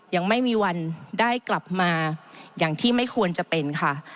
ยังไม่มีวันได้กลับมาอย่างที่ไม่ควรจะเป็นค่ะ